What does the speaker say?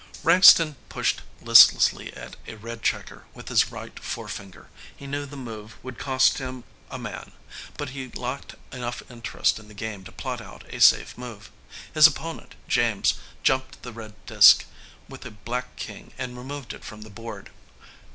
_ Frankston pushed listlessly at a red checker with his right forefinger. He knew the move would cost him a man, but he lacked enough interest in the game to plot out a safe move. His opponent, James, jumped the red disk with a black king and removed it from the board.